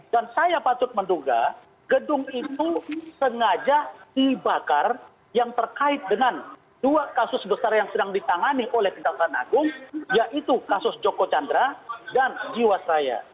saya patut menduga gedung itu sengaja dibakar yang terkait dengan dua kasus besar yang sedang ditangani oleh kejaksaan agung yaitu kasus joko chandra dan jiwasraya